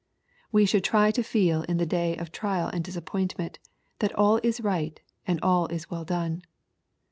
We should try to feel in the day of trial and disappointment, that all is right and all is well done.